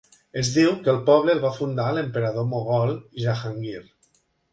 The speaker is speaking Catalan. Es diu que el poble el va fundar l'emperador mogol Jahangir.